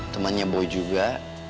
temannya boy juga